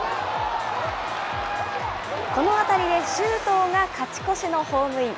この当たりで周東が勝ち越しのホームイン。